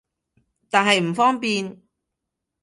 但係唔方便